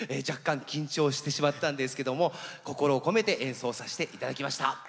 若干緊張してしまったんですけども心を込めて演奏させて頂きました。